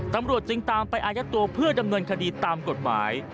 ตำรวจจึงตามไปอายัดตัวเพื่อดำเนินคดีตามกฎหมาย